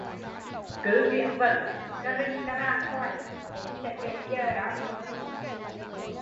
Cứ chuyển vẫn, cà rình cà ràng hoài, đến sẽ trễ giờ